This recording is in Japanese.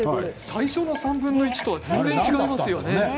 最初の３分の１とは全然違いますね。